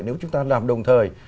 nếu chúng ta làm đồng thời